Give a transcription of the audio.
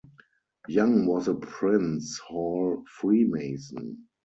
Young was a Prince Hall Freemason.